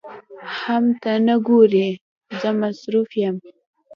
حم ته نه ګورې زه مصروف يم.